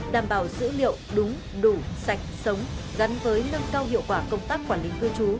đảm bảo dữ liệu đúng đủ sạch sống gắn với nâng cao hiệu quả công tác quản lý cư trú